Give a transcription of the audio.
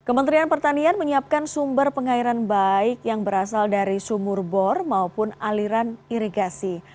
kementerian pertanian menyiapkan sumber pengairan baik yang berasal dari sumur bor maupun aliran irigasi